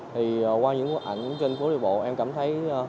thì qua những bức ảnh trên phố đi bộ em cảm thấy